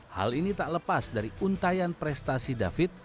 hal ini tak lepas dari untayan prestasi david